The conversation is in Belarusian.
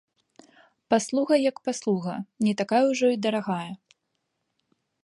Паслуга як паслуга, не такая ўжо і дарагая.